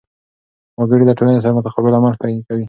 وګړي له ټولنې سره متقابل عمل کوي.